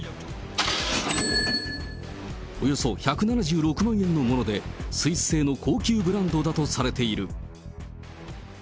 およそ１７６万円のもので、スイス製の高級ブランドだとされている。